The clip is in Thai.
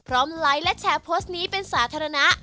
ไลค์และแชร์โพสต์นี้เป็นสาธารณะ